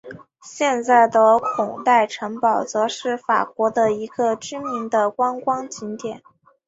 现在的孔代城堡则是法国的一个知名的观光景点。